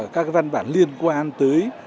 các văn bản liên quan tới